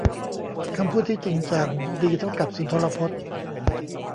คำพูดที่จริงจังดีเท่ากับสุนทรพจน์